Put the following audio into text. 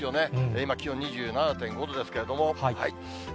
今、気温２７．５度ですけれども。